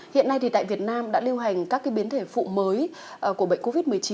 hiện nay thì tại việt nam đã lưu hành các biến thể phụ mới của bệnh covid một mươi chín